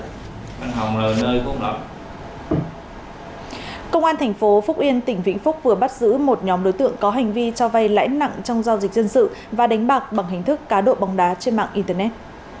công an thành phố phúc yên tỉnh vĩnh phúc vừa bắt giữ một nhóm đối tượng có hành vi cho vay lãi nặng trong giao dịch dân sự và đánh bạc bằng hình thức cá độ bóng đá trên mạng internet